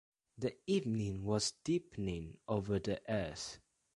The evening was deepening over the earth.